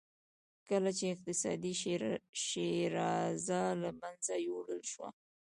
کله چې اقتصادي شیرازه له منځه یووړل شوه.